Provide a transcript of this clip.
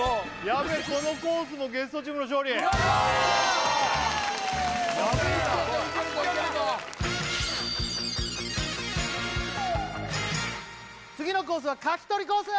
やべえこのコースもゲストチームの勝利次のコースは柿取りコース